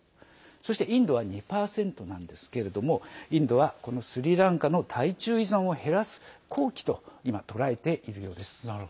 そしてインドは２％なんですけれどもインドは、このスリランカの対中依存を減らす好機と今、捉えているようです。